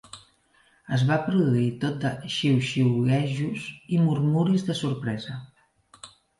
Es va produir tot de xiuxiuejos i murmuris de sorpresa.